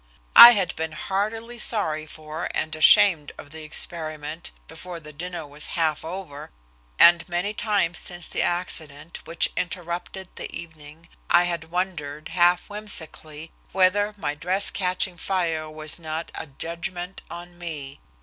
I had been heartily sorry for and ashamed of the experiment before the dinner was half over, and many times since the accident which interrupted the evening I had wondered, half whimsically, whether my dress catching fire was not a "judgment on me."